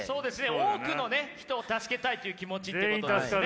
多くの人を助けたいという気持ちってことですね。